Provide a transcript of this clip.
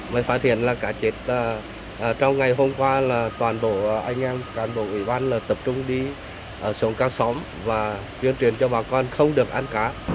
mới phát hiện là cá chết trong ngày hôm qua là toàn bộ anh em cán bộ ủy ban tập trung đi xuống các xóm và tuyên truyền cho bà con không được ăn cá